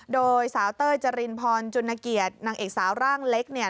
โดยสาวเต้ยจรินพรจุณเกียรตินางเอกสาวร่างเล็กเนี่ย